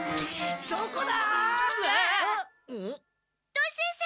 土井先生